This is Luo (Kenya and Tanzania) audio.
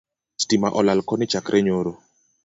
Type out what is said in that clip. Stima olal Koni chakre nyoro